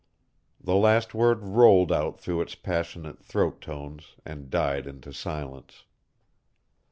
"_ The last word rolled out through its passionate throat tones and died into silence.